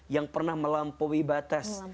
yang pernah melampaui batas